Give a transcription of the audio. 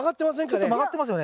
ちょっと曲がってますよね？